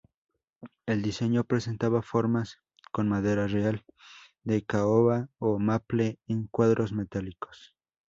El diseño presentaba formas con madera real de caoba o maple en cuadros metálicos.